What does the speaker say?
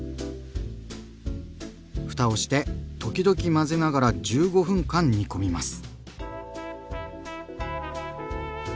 ふたをして時々混ぜながら１５分間煮込みます。